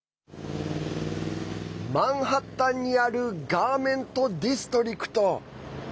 マンハッタンにあるガーメントディストリクト。